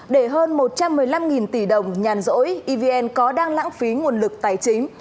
để hơn một trăm một mươi năm tỷ đồng nhàn rỗi evn có đang lãng phí nguồn lực tài chính